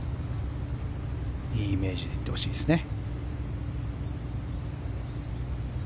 いいイメージで行ってほしいですね。